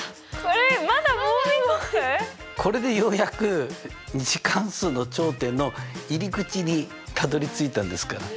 これでようやく２次関数の頂点の入り口にたどりついたんですから。